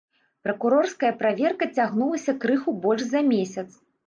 Пракурорская праверка цягнулася крыху больш за месяц.